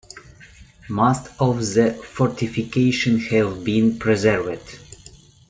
Most of the fortifications have been preserved.